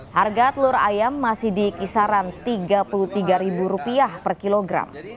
harga telur ayam masih di kisaran rp tiga puluh tiga per kilogram